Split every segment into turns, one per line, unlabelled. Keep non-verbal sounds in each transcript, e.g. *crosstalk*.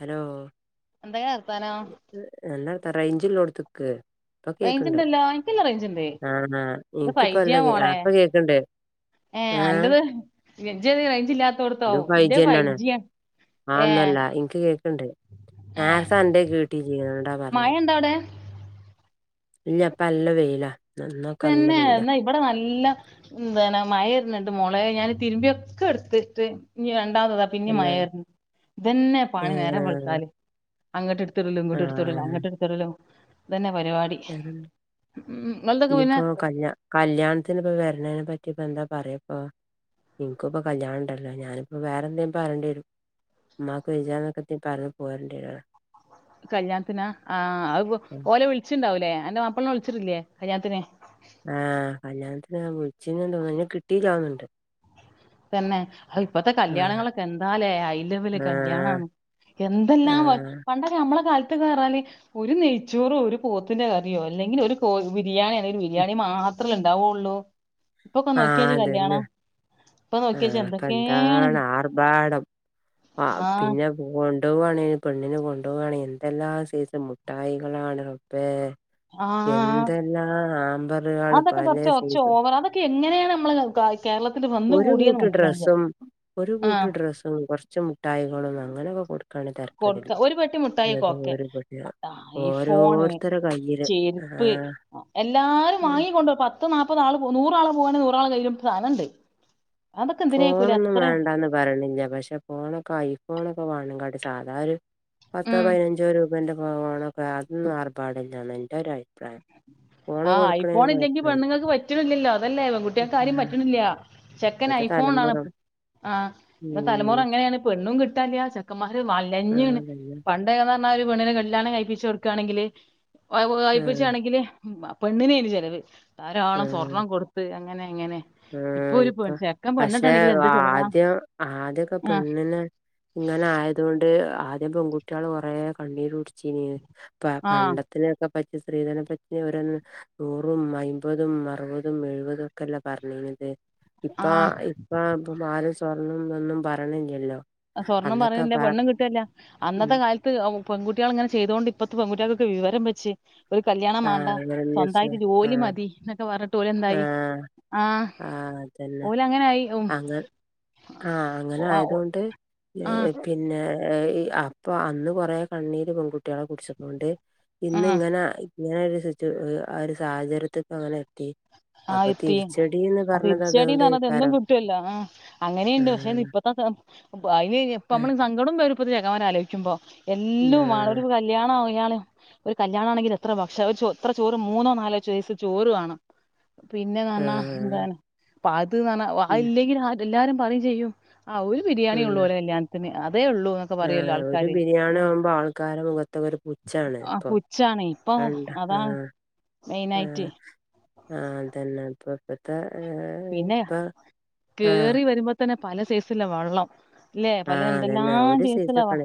Hello
എന്തെകെർത്താനം
ത റെയ്‌ഞ്ച്ള്ളോട്ത്ക്ക് പ്പ
റേഞ്ച്
കേക്ണ്ട്
ഉണ്ടല്ലോ എനിക്കെല്ലാം റേഞ്ച് ഉണ്ട്
ആ ഹാ
ഇത് ഫൈവ്
ഇൻക്ക്പ്പല്ല
ജിയാ
കെ ആ
മോളെ
പ്പ കേക്ണ്ട്
ഏ അന്റെത് ഇജ്ഏതേ റേയ്‌ഞ്ച്ല്ലാതോട്ത് ആവും ഇന്റെ ഫൈവ്ജിയ
ആ ഒന്നുല്ല ഇൻക്ക് കേക്ണ്ട്
ഏ
നേര്തന്റെ കേട്ടില്ലേനി തോണ്ടാപർഞ്ഞേ
മഴ *inaudible*
ല്ല പ്പെല്ല വെയ്‌ല
തന്നെ ഇബടെ നല്ല ന്തനമയ ഇരുന്നുിണ്ട് മുളയെ ഞാൻ തിരുമ്പിയൊക്കെ എടുത്തിട്ട് ഇ ണ്ടമതത പിന്നിം
എന്നാണ്
മഴര്ന്ന് ഇതന്നെ പണി
ഏഹ്
നേരവെളുത്താല് അങ്ങട്ട് ട്ത്ടലും ഇങ്ങട്ട്ട്ത്ത്ടലും
ആഹ്
അങ്ങട്ട്ട്ത്ടലും തന്നെ പരിപാടി
വേറെന്താ
ഉ നല്ല
ഇഞ്ഞിപ്പോ കല്യ കല്യാണ്ത്തിന്പ്പ വരനേനപറ്റി പ്പന്താ പറയ ആ ഇൻകിപ്പം കല്യാണണ്ടല്ലോ ഞാനിപ്പോ വേറെന്തേലും പറേണ്ടിവരും ഉമ്മാക്ക് *unintelligible*
കല്യാണത്തിനാ ആ അഹ്
ഉം
ഓലെ വിളിച്ചിണ്ടാവൂലേ അന്റെ മാപ്പ്ളെനെ വിളിച്ചിട്ടില്ലേ കല്യാണത്തിന്
ആ കല്യാണത്തിന് ഞാൻ വിൾച്ചിനിതോന്നു അയ്നെ കിട്ടില്ലാന്നുണ്ട്
തന്നെ അഹ് ഇപ്പത്തെ കല്യാണങ്ങളൊക്കെ എന്താലേ ഐ ലെവല്
ആഹ്
കല്യാണാണ് എന്തെല്ലാം
ആഹ്
പണ്ടൊക്കെ നമ്മളൊക്കെ അൽ കേറാല് ഒരു നെയ്ച്ചോറു ഒരു പോത്തിന്റെ കറിയോ അല്ലെങ്കിൽ ഒരു കോയിബിരിയാണി അല്ലെങ്കി ബിരിയാണി മാ അത്രല്ലേ ഇണ്ടാവുള്ളൂ ഇപ്പൊക്കെ നോക്കിയേ ജ് കല്യാണം ഇപ്പൊ
ആ
നോക്കിയാജ്
അപ്പൊ
എന്തൊക്കെയാണ്
എന്താണ് ആർഭാടം ആ
ആഹ്
പിന്നെ പോ കൊണ്ടൊവാണേൽ പെണ്ണിനെ കൊണ്ടൊവാണേൽ എന്തെല്ലാം സൈസ് മുട്ടായികളാണ് റബ്ബേ
ആ
എന്തെല്ലാം ഹാമ്പറുകള്
അതൊക്കെ
പലേ
കൊറച്ച് കൊറച്ച്
സൈസ്
ഓവർ അതൊക്കെ എങ്ങനെയാണ് മ്മള് ഗായ്സ്
ഒരു കൂട്ടു ഡ്രസ്സും ഒരു കൂട്ട്
ആഹ്
ഡ്രസ്സും കുറച്ച് മുട്ടായികളും അങ്ങനെയൊക്കെ കൊടുക്ക ക്കാണ്
കൊടുക്ക
തർക്കടല്ലേ
ഒരു പെട്ടി മുട്ടായിയൊക്കെ ഓക്കെ
അത്പ *unintelligible*
ഐ ഫോണ്
ഓരോരുത്തര കയ്യില്
ചെരുപ്പ്
ആഹ്
എല്ലാരും വാങ്ങിക്കണ്ടപ പത്ത് നാപ്പത് ആ നൂറാ പോ നൂറാള കയ്ുംധാനണ്ട്
ഫോണൊന്നും വേണ്ടന്ന് പറയണില്ല പക്ഷെ ഫോണൊക്കെ ഐഫോൺൊക്കെ വേണ സാധാ ഒരു പത്തോ പതിനഞ്ചോ രൂപേൻ്റെ പോകണോൊക്കെ അതൊന്നും ആർഭാടില്ലന്ന് എൻ്റെ ഒരഴ്
ആഹ് യിഫോണ ഇല്ലെങ്കി
കൊഴപ്പല്ല
പെണ്ണുങ്ങൾക്ക് പറ്റണില്ലല്ലോ അതല്ലേ അവൻകുട്ടികൾക്ക് ആാര്ും
ഉം
പറ്റണില്ല ചെക്കൻ
ഇപ്പത്തെ
ഐഫോൺ ആാണ്
തലമുറ
ആ തലമുറ
ഉം
അങ്ങനെയാണ് പെണ്ണും കിട്ടല ചെക്കമാ ഒരു
ആഹ്
മലഞ്ഞണ്
അതന്നെ
പണ്ടൊക്കന്ന് പറഞ്ഞാ ഒരു വീണിന് കല്യാണം കഴിപ്പിച്ചച്ച് കൊടുക്കുകയാണെങ്കില് പ്പൊ
ആഹ്
പെണ്ണിനെന് ചെലവ് താരാണം സ്വർണം കൊടുത്ത്ന
ആ ഇപ്പൊ പക്ഷെ
പെണ്ണിട്ടാണെങ്കില് എന്ത് ചെലവാ
ആദ്യം ആദ്യൊക്കെ
ആഹ്
പെണ്ണിിനെ ഇങ്ങനെ ആയതുകൊണ്ട് ആദ്യം പെൺകുട്ടികള് കൊറെേ കണ്ണീര് കുടിച്ചീ
ആഹ്
പണ്ടത്തിനൊക്കെ പച്ചി ശത്രീധന പച്ചന ഒ നൂറും അമ്പതും അറുപതും എഴുപതും ഒക്കെല്ല പറഞ്ഞിത് ഇപ്പ
ആഹ്
ഇപ്പ ഇപ്പ ആരും സ്വർണംന്ന ഒന്നും പറണില്ലല്ലോ
സ്വർണം പറയില്ല പെണ്ണും കിട്ടുവല്ല
ഉം
അന്നത്തെ കാലത്ത് പെൺകുികൾങ്ങനെ ചെയ്ത കൊണ്ട് ഇപ്പത്തെ പെകുട്ടികൾക്കെ വിവരം വെച്ച് ഒരു കല്യാണം വേണ്ട
ആഹ് അങ്ങനെന്താ വെച്ച
സ്വന്തമായിട്ട് ജോലി
ആഹ്
മതി എന്നൊക്കെ പറഞ്ഞിട്ട് ല എന്തായി
ആഹ്
ആഹ
ആഹ്
ഓല അങ്ങനൊയി
ആഹ അങ്ങനെ ആയതുകൊണ്ട്
ആഹ്
പിന്നെ അപ്പൊ അന്ന് കൊറ കണ്ണീര് പെൺകുട്ടി കുട്ടികളെ കുടിച്ചപ്പോണ്ട് ഇന്ന്
ആഹ്
ഇങ്ങനെ ഇങ്ങനെ ഒരു ആ ഒരു സാഹചര്യത്തിക്ക അങ്ങനെ എത്തി
ആഹ്
അപ്പൊ
എത്തി
തിരിച്ചടീന്ന്
അ
പറഞ്ഞത്
തിരിച്ചയടി പറഞ്ഞത എന്തും
അതുകൊണ്ടേക്കാരം
കിട്ടുവല്ലോ ആഹ അങ്ങനെയുണ്ട് പക്ഷെ
ആഹ്
ഇപ്പത്തെ അതിന് ഇപ്പ
ആഹ്
നമ്മള് സങ്കടം ഇ ചമാര ആലോചിക്കുമ്പോ എല്ലും ആ
ആഹ്
കല്യാണ മലയാളം ഒരു കല്യാണ ആണെങ്കിൽ എത്ര ഭക്ഷ എത്ര ചോറ് മൂന്നോ നാലോ ചോറ് കാണണം പിന്നെ നാ എന്ത
ആഹ്
അപ്പ അത് ആഹ്
ഉം
ഇല്ലെങ്കിൽ എല്ലാരും പറയും ചെയ്യും ആ ഒരു ബിരിയാണി ഉള്ളൂ പോലെ എല്ല്ലാത്തിന്
ആ ഒരു ബിരിയാണി
ആ
ആവുമ്പോ ആൾക്കാര മുഖത്തൊക്ക ഒരു പുച്ചാണ്
ആ
ഇപ്പൊ അണ്ട് ആഹ്
മെയിൻ ആയിട്ട്
ആഹ അതന്നെ അപ്പപ്പത്തെ
പിന്നെയ
ആഹ്
കേറി വരുമ്പോ തന്നെ പല സൈസില വെള്ളം ല്ലെ പല
ആഹ് അതന്നെ
എന്തെല്ലാം
ഒരു സീസ
സൈസില
കള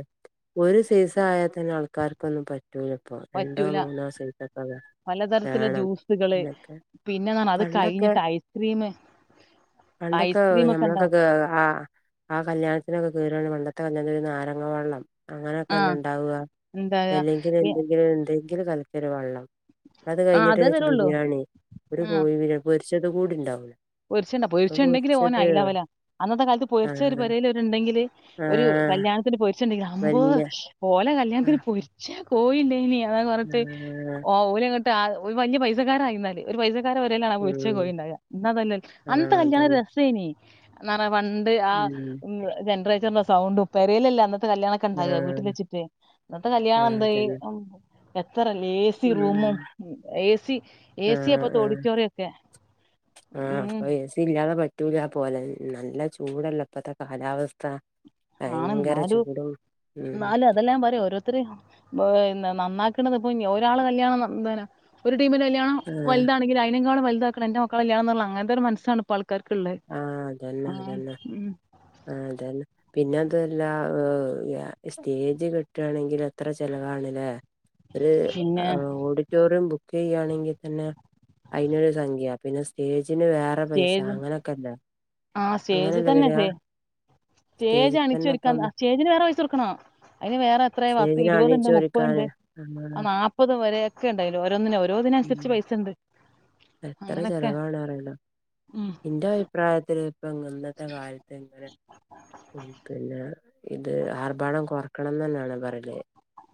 ഒരു സീസ ആയാൽ തന്നെ ആൾക്കാർക്കൊന്നും പറ്റ പ്പ രണ്ടോ
പറ്റൂല
മൂന്നോ സീറ്റക്ക
പലതരത്തിലുള്ള ജ്യൂസുകള് പിന്നെന്ത അത്
പണ്ടൊക്കെ
കഴിഞ്ഞിട്ട് ഐസ്ക്രീം
പണ്ടൊക്കെ
ഐസ്ക്രീം ഒക്കെ ഉണ്ടാവും
ഞമ്മളൊക്കെ ആ ആ കല്യാണ ഇതിനൊക്കെ കയറയാണ് വണ്ടത്തെ വഞ്ഞ വരുന്ന ആരങ്ങ വള്ളം അങ്ങനെയൊക്കെ
ആ
എല്ലാം ഉണ്ടാവുക
എന്താ
അല്ലെങ്കിൽ
പി-
എന്തെങ്കിലും എന്തെങ്കിലില് കൽിക്കരി വെള്ളം അത്
ആ അതേ
കഴിഞ്ഞിട്ട്
തരുള്ളൂ
ബിരിയാണി ഒരു കോഴിി പൊരിച്ചത് കൂടി ഉണ്ടാവൂല
പൊരിച്ചുണ്ടാ
ഇപ്പൊ
പൊരിച്ചുണ്ടെങ്കില് ഓന
പൊരിച്ചത്
അല്ലാവല അന്നത്തെ കാലത്ത്
ആ
പൊർച്ച ഒരു പരൽ ഉണ്ടെങ്കിൽ
ആ
ഒരു കല്യാണത്തിന് പൊരിച്ചുണ്ടെങ്കിൽ അമ്പ്
വല്യ
പോലെ
ആ
കല്യാണത്തിന്രി പക്ഷേ കോയില്ലേ ഇനി അാ
ആ
കൊറത്ത് ഓ ഓര്ങ്ങട്ട് ഒരു വലിയ പൈസക്കാരായിാലല് ഒരു പൈസ
ഉം
*unintelligible*
ആ
അനത്തെ കല്യാ
അതന്നെ
രസേനി പണ്ട് ആ
ഉം
ജനറേറ്ററിന്റെ സൗണ്ട് ഉപ്പേരലല്ല കല്യാണൊക്കെ
ആ
ഉണ്ടാക വീട്ടില് വെച്ചിട്ടെ ഇന്നത്തെ
ആ
കല്യാണം എന്തായി
അതന്നെ
ത്രല്ലാ എ സി
ഉം
റൂമും ഏ സി, ഏ സിയാ ഇപ്പത്തെ ഓഡിറ്റോറിയൊക്കെ
ആ അപ്പൊ എ സി ഇല്ലാതെ പറ്റൂല പോലെ നല്ലചൂടല്ലേ ഇപ്പത്തെ കാലാവസ്ഥ
ആണ്
ഭയങ്കര
ന്നാലും
ചൂടും ഉം
ന്നാലുംഅതെല്ലാഞാൻ പറയാ ഓരോരുത്തര് നന്നാക്കണത് ഇപ്പൊനി ഒരാള് കല്യാണം *unintelligible* കല്യാണം
ആഹ്
വലുതാണെങ്കിൽ അയിനെക്കാളും വലുതാക്കണം എൻറെ മക്കളെ കല്യാണം എന്നുള്ള അങ്ങനത്തൊരു മനസ്സാണ് ഇപ്പം ആൾ
ആ അതന്നെ അതന്നെ
ഉം
ആ അതന്നെ പിന്നെ അതുവല്ല സ്റ്റേജ് കെട്ടുകാണെങ്കില് എത്ര ചെലവാണ് ല്ലേ ഒരു
പിന്നെ
ഓഡിറ്റോറിയം ബുക്ക് ക്ക് ചെയ്യാണെങ്കിതന്നെ അയിനൊരുസംഖ്യ പിന്നെ സ്റ്റേജിന് വേറെ പൈസ
സ്റ്റേജ്
അങ്ങനെ
ആ സ്റ്റേജ് തന്നെ സേ സ്റ്റേജ്
സ്റ്റേജിൽ തന്നെ
അണിച്ചൊരുക്കാൻ
ഇപ്പം
താ ആ സ്റ്റേജിനു വേറെ പൈസ കൊടുക്കണോ അതിന് വേറെ എത്രയാ പത്ത്
സ്റ്റേജിന്
ഇരുപതൊണ്ട് മുപ്പതൊണ്ട്
അണിയിച്ചൊരുക്കാന്
ആ
ആഹ്
നാപ്പത് വരെ ഒക്കെ ഉണ്ടായിനും ഒരോന്നിനും ഓരോ ഓരൊതിന് അനുസരിച്ച്
ഉം
പൈസൊണ്ട്
എത്ര ചെലവാണറിയില്ല
ഉം
ഇന്റെ അഭിപ്രായത്തില് ങ്ങ് ഇന്നത്തെ കാലത്ത് ഇങ്ങനെ പിന്നെ ഇത് ആർഭാടം കുറക്കണംന്ന് തന്നെയാണ് പറയല്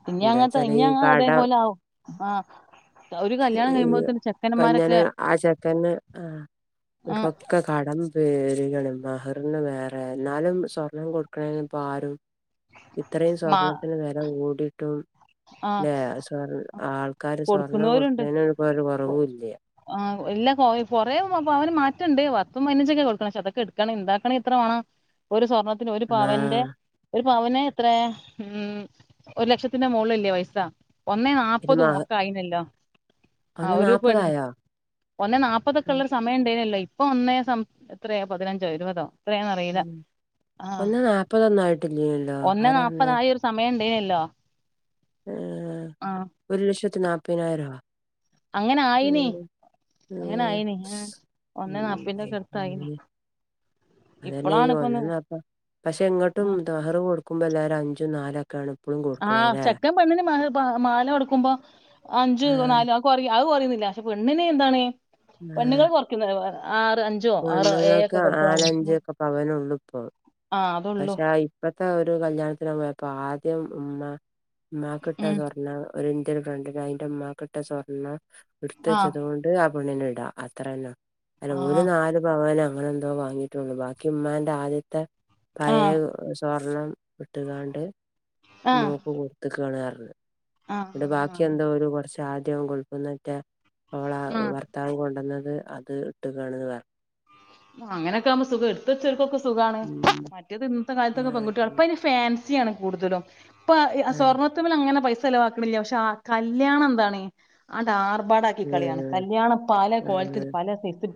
ഇനി അങ്ങനത്തെ
എന്താച്ചാല്
ഇനി
ഈ
അങ്ങ്
കടം
അതേപോലെ ആവും ആ ഒരു കല്യാണം
ഈ
കഴിയുമ്പോത്തിന്
കഞ്ഞന്
ചെക്കന്മാരൊക്കെ
ആ ചെക്കന് ആ
ആ
ഇപ്പൊക്കെ കടം പെരുകാണ് മഹറിന് വേറെ എന്നാലും സ്വർണം കൊടുക്കണേന് ഇപ്പ ആരും ഇത്രയും
മാ
സ്വർണത്തിന് വെല കൂടിയിട്ടും
ആ
അല്ലേ സ്വർ ആൾക്കാര് സ്വർണം
കൊടുക്കുന്നവരുണ്ട്
കൊടുക്കണേനൊരിപ്പോ ഒരു കുറവുല്ല്യ
ഇല്ല കുറേ പവന് മാറ്റൊണ്ട് പത്തും പതിനഞ്ചൊക്കെയാ കൊടുക്കണേ പക്ഷേ അതൊക്കെയെടുക്കാ നൊണ്ടാക്കണേൽ എത്ര മാണം ഒരു സ്വർണത്തിന് ഒരു പവന്റെ
ആഹ്
ഒരു പവന് എത്രയാ ഉം ഒരുലക്ഷത്തി ന്റെ മൊളിലല്ലേ പൈസ
പിന്നെ
ഒന്നേനാല്പ്പതും
മഹ
ഒക്കെ ആയിനല്ലോ ആ
ഒന്ന്
ഒരുപ്പ ഉണ്ട്
നാപ്പതായോ?
ഒന്നേനാപ്പതൊക്കെ ഉള്ളൊരു സമയം ഉണ്ടേനല്ലോ ഇപ് ഇപ്പൊ ഒന്നേ സം എത്രയാ പതിനഞ്ചോ ഇരുപതോ എത്രയാന്നറിയില്ല ആ
ഒന്ന് നാപ്പതൊന്നും ആയിട്ടില്ലേല്ലോ ആരാ
ഒന്നേനാല്പ്പതായി ഒരു സമയം ന്ടീനല്ലോ
ആ ഒരു ലക്ഷത്തി നാല്പ്പതിനായിരവാ
അങ്ങനെ ആയിനി അങ്ങനെ ആയിന് ആ
ഉം
ഒന്നേ നാപ്പേന്റെ ഒക്കെ അടുത്തായിന്
അത് തന്നെ ഈ ഒന്നുനാപ്പത് പക്ഷെ
ആ
ഇങ്ങോട്ടും ദഹർ കൊടുക്ക ക്കുമ്പോ എല്ലാരും അഞ്ചും നാലൊക്കെയാണ് ഇപ്പഴും
ആ
കൊടുക്കണല്ലേ
ചെക്കൻ പെണ്ണിന് മെഹ മാലകൊടുക്കുമ്പോ അഞ്ച്
ആഹ്
നാല് അതുകൊറയും അത് കൊറയൊന്നൂല്ല പക്ഷെ പെണ്ണിന് എന്താണ്
ആഹ്
പെണ്ണുങ്ങൾ കൊറയ്ക്കുന്നല്ലേ പറയണേ ആ
പെണ്ണുങ്ങൾക്ക്
ഉം
നാലഞ്ചൊക്കെ പവനെ ഉള്ളുപ്പോ
ആഹ് അതൊള്ളൂ
പക്ഷെ ഇപ്പത്തെ ഒരു കല്യാണത്തിന് പോയപ്പോ ആ സത്യം ഉമ്മാ ഉമ്മ കിട്ട
ഉം
സ്വർണം ഒരു ഇന്ത്യൻ ഫ്രണ്ടിന് അയിന്റെ ഉമ്മക്കിട്ട സ്വർണം എടുത്ത്
ആഹ്
വെച്ചതുകൊണ്ട് ആ പെണ്ണിനെ ഇടാ അത്രല്ലോ അല്ല ഒരു
ആഹ്
നാല് പവനാ അങ്ങനെന്തോ വാങ്ങിട്ടുള്ളു ബാക്കി ഉമ്മാന്റെ ആദ്യത്തെ പഴേ
ആഹ്
സ്വർണ ഇട്ടുയാണ്ട്
ആഹ്
മോൾക്ക് കൊടുത്തേക്കുവണു പറഞ്ഞു ഇവിടെ ബാക്കി
ആഹ്
എന്തോ ഒരു കുറച്ച് ആദ്യം കൊടുക്കുന്നാറ്റാൻ അവള
ആഹ്
ഭർത്താവും കൊണ്ടുവന്ന അത് അത് ഇട്ട് കാണു പറഞ്ഞു
അങ്ങനൊക്കാവുമ്പോ സുഖാണ് എടുത്ത് വച്ചവർക്കൊക്കെ സുഖണ്
ഉം
മറ്റത് ഇന്നത്തെ കാലത്തൊക്കെ
ആഹ് അതന്നെ
പെൺകുട്ടികൾഅപ്പൊ ഇനി സ്നേഹ ഫാൻസി ആണ് കൂടുതലും. ഇപ്പൊ
ആഹ്
സ്വർണത്തുമ്മല് അങ്ങനെ പൈസ ചെലവാക്കണില്ല പക്ഷെ ആ കല്യാണം എന്താണ് അതു അർത്ത് പാടാക്കി കളിയാണ് കല്യാണം പല
ഉം
കോലത്തിലും
ആഹ്
പല സൈസ്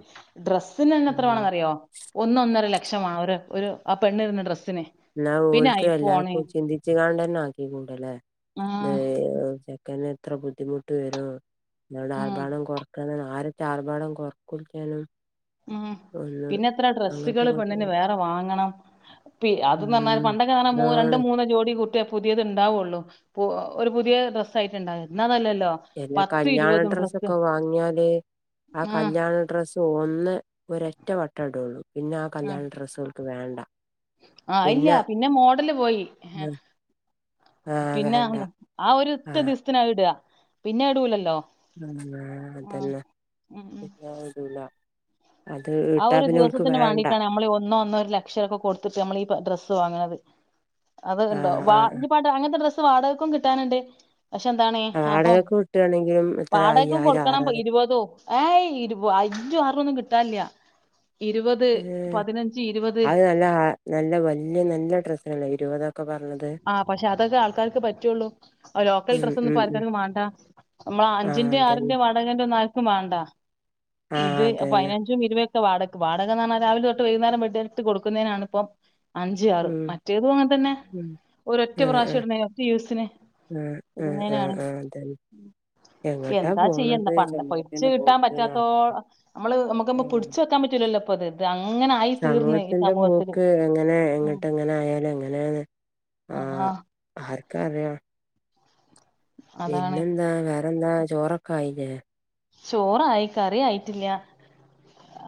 ഡ്രസ്സ്‌ എത്ര
ആഹ്
മാണോന്നറിയോ ഒന്നൊന്നര ലക്ഷമ ആ പെണ്ണിടുന്ന ന്ന ഡ്രസ്
എന്നാ ഓൽത്ത എല്ലാർക്കും ചിന്തിച്ചു കാണ്ടന്ന ആക്കിക്കുണ്ടല്ലേ
ആ
അതെ ചെക്കന് ഇത്ര ബുദ്ധിമുട്ട് വരും *inaudible*
ഉം ഉം
ഒന്ന്
പിന്നെത്ര
അങ്ങോട്ടും
ഡ്രസ്സുകള് പെണ്ണിന്
ഇങ്ങോട്ടും
വേറെ വാങ്ങണം. പി അത്‌ന്ന് പറഞ്ഞാ
ഉം
പണ്ടൊക്കെന്ന് പറഞ്ഞാ മൂ
അതാണ്
രണ്ടും മൂന്നുംജോഡി കൂട്ടി.. പുതിയത് ഉണ്ടാവൊള്ളൂ പൊ ഒരു പുതിയ ഡ്രസ്സായിട്ട്ണ്ടാവ ഇന്ന് അതല്ലല്ലോ.
എല്ല കല്ല്യാണ ഡ്രസ്സൊക്ക വാങ്ങ്യാല് ആ
ഉം
കല്ല്യാണ ഡ്രസ്സ് ഒന്ന് ഒരൊറ്റ വട്ടടോള്ളു. പിന്നാ
ഉം
കല്ല്യാന്ന ഡ്രസ്സോൽക്ക് വേണ്ട.
ആ ഇല്ല്യ പിന്നെ മോഡല് പോയി. ഹെ
ആഹ്
പിന്നാ
വേണ്ട ആഹ്
*unintelligible*
തൊന്ന് വേറ തന്നാ
ഉം
*unintelligible* രൂലാ
അഒരു ദിവസത്തിന് വാണ്ടീട്ടാണ് അമ്മളി ഒന്നൊ, ഒന്നൊരു ലെക്ഷൊക്ക കൊട്ത്ത്ട്ട് അമ്മളീ ഡ്രസ്സ് വാങ്ങ്ന്നത്. അത് ഇണ്ടോ?
ആഹ്
വാ
ആഹ്
ഞ്ഞി പാട്ട് അങ്ങൻത്ത ഡ്രസ്സ് വാടകക്കും കിട്ടാന്ണ്ട്. പക്ഷെ എന്താണ് അപ്പം
വാടകക്ക് വിട്ടാണെങ്കിലും എത്ര
വാടകക്കും
അയ്യായിരം
കൊട്‌ക്കണം പ
ആറായിരം
ഇരുപതു ആയ് ഇരു അഞ്ചു ആറു ഒന്നും കിട്ടാൻല്യ
ഏഹ്.
ഇരുപത്
അഅ് നല്ല ആ നല്ല വല്ല്യ നല്ല ഡ്രസ്സാണോ ഇരുവത
ആഹ് പഷെ അതൊക്കെ ആൾക്കാര്ക്ക് പറ്റ്വള്ളു അലോക്കൽ
ഉം ഉം ഉം
ഡ്രസൊന്നുപ്പാര്ക്കാര്ക്ക് മാണ്ട. നമ്മള
ആഹ്
അഞ്ചിന്റെ
അതന്നെ
ആറിന്റെ വാടകന്റൊന്നു ആര്ക്കും വാണ്ട
ആഹ്
ഇത് എ
അതന്നെ
പയിനഞ്ചും ഇരുവ വാടക്ക് വാടക എന്ന് പറഞ്ഞാൽ രാവില തൊട്ട് വൈകുന്നേരം *unintelligible* കൊടുക്കുന്നതിനാണ് ഇപ്പോ അഞ്ച്, ആറ്
ഉം
മറ്റേതു അങ്ങൻതന്നെ. ഒരൊറ്റ
ആഹ് ആഹ്
പ്രാശ്യട് ന്നേ ഒറ്റ യൂസിന്.
ആഹ് ആഹ് ആ ആ ദെൻ
യെന്താ ചെയ്യ *unintelligible*
പോക്ക്ന്ന്
പറ്റാത്തോ
അറിയില്ല
അ ല്ലല്ല പ്പൊത് ദാങ്
സമൂഅത്തിന്റെ പോക്ക് എങ്ങനെ
ഉം
എങ്ങട്ടങ്ങനായാലെങ്ങനെ ആഹ് ആർക്കാ അറ്യാ
അതാണ്
പിന്നെന്താ? വേറന്താ? ചോറൊക്കായില്ലേ?
ച്ചോറായി. കറിയായിറ്റില്ല.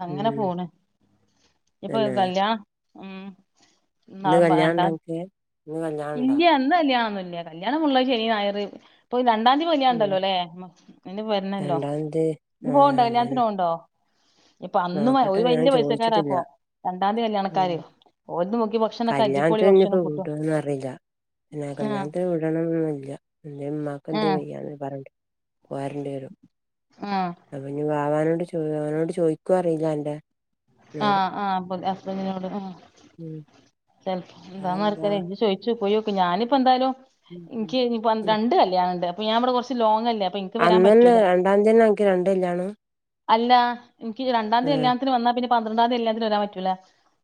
അങ്ങന
ഉം
പോണ്. നിപോ *unintelligible* കല്ല്യാ ഊം.
ന്ന് കല്ല്യാൺണ്ടെൻക്ക്?
ഇല്ല്യ ന്ന് കല്ല്യാണൊന്നുല്ല്യ. കല്യാണമുള്ള ശനി, ഞായറ് *unintelligible* ണ്ടാം തീ
ഉം
കല്യാൺഡല്ലൊല്ലേ? മ അയിന് വെരണല്ലോ.
രണ്ടാംതി
ങ്ങി
ആഹ്
പോൺണ്ടോ?
അതന്നെ
കല്യാൺത്തിനോൺണ്ടോ?
നോക്കട്ടെ ഞാം
പൈസക്കാരാ
ചോയ്‌ച്ച്ട്ട്ല്ല.
ഇപ്പൊ രണ്ടാം തീയതി കല്യാണക്കാര് ഓൽത് നോക്കി ഭക്ഷണൊക്കെ അടിപൊളി
കല്ല്യാൺത്തിനിനിപ്പൊ
ഭക്ഷണം ഫുഡും
വ്‌ടോന്നറി ല്ല. നാ
ആഹ്
കല്ല്യാൺത്തിന് വിടണംന്നൊന്നുല്ല. ന്തെമ്മാക്കെന്തെ
ആഹ്
വയ്യാന്ന് പറഞ്ഞ്ട്ട്. പോരണ്ട്യരും.
ആഹ്
അപഞ്ഞി വാവാനോട് ചോ *unintelligible* ചോയിക്കോ അറിയില്ലാന്റെ
ആ ആ പ അസ്ബന്റിനോട് ആഹ്.
ഊം
ചെൽ ന്താന്നാര്ക്കറിയ യ്യ് ചോയ്ച് പോയോക്ക് ഞാനിപ്പന്തായലും
ഉം
ഇന്ക്ക് ഇഞ് ഇപ്പൊ
ഉം
രണ്ട് കല്യാണണ്ട് അപ്പൊ ഞാൻ ഇവിടെ കൊറച്ച് ലോങ്ങ
അന്നന്നെ രണ്ടാന്ദ്യന്നെ അൻക്ക് രണ്ട് കല്ല്യാണം
അല്ല ഇന്ക്ക് രണ്ടാന്ദി കല്യാണത്തിന് വന്നാ പിന്നെ പന്ത്രണ്ടാന്ദി കല്ല്യണത്തിന് വരാൻ പറ്റൂലെ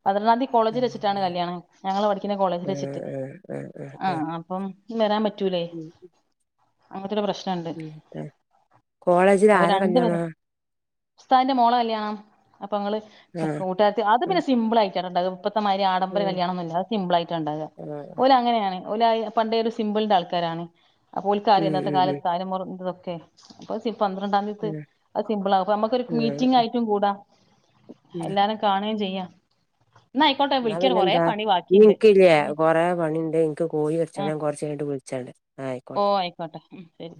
പന്ത്രണ്ടാന്ദി
ഉം
കോളേജില് വെച്ച്ട്ടാണ്
ഉം
കല്യാണം ഞങ്ങള് പഠിക്കണെ കോളേജില്
ഉം
വെച്ചിട്ട്
ഉം ഉം
ആ
ഉം
അപ്പം വരാം പറ്റൂലേ
ഉം
അങ്ങൻത്തോരു പ്രശ്നണ്ട്
ഉം ഉം കോളേജിൽ
അപ്പൊ
ആരെ
രണ്ട് പെ
കല്യാണാ
ഉസ്താദിന്റെ മോളെ കല്യാണം അപ്പൊങ്ങള് അ
ആഹ്
കൂട്ടുകാര്ത്തി അത് പിന്നെ സിമ്പിളായിട്ടാ ണ്ടാവാ മു
ഉം
ആഡംബര
ഉം
കല്യാണന്നുല്ല അത് സിമ്പിളയിട്ട ണ്ടാവ
ഉം
ഓല് അങ്ങനെണ് ഓല് യ്യി പണ്ടേ ഒരു സിമ്പിൾന്റെ ആൾക്കാരാണ് അപ്പൊ ഓല്കറിയ ഇന്നത്തെ
ഉം
കാലത്ത് *unintelligible* ക്കെ അപ്പ പന്ത്രണ്ടാന്ദിയത്ത്
ഉം
അത് സിമ്പിൾ ആ അപ്പൊ നമ്മക്കൊരു മീറ്റിംഗ്
ഉം
ആയിട്ടും കൂടാ എല്ലാരെ കാണെ ചെയ്യാ
ന്നാ പിന്നെ എന്താ ഇഞ്ഞി നികല്ലേ
ഉം
കൊറെ പണിണ്ട് ഇനിക്ക് കോഴി പൊരിച്ചണം
ആഹ്
ഞാ കൊറച്ച യ് ഞ് ട്ട് വിളിച്ച
ഓ
ന്നായിക്കോട്ടെ.
ആയിക്കോട്ടെ ഉം ശരി